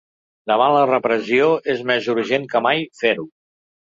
Davant la repressió, és més urgent que mai fer-ho.